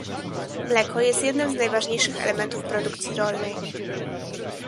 Mleko jest jednym z najważniejszych elementów produkcji rolnej